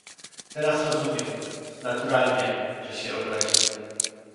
"Teraz rozumiem... Naturalnie, że się obraził..."